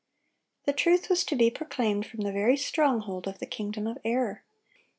The truth was to be proclaimed from the very stronghold of the kingdom of error.